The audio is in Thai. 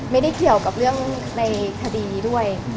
ไม่ได้เกี่ยวกับเรื่องในคดีด้วย